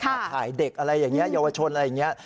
ถ่ายเด็กอะไรอย่างนี้เยาวชนอะไรอย่างนี้